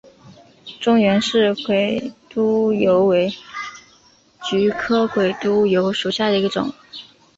中原氏鬼督邮为菊科鬼督邮属下的一个种。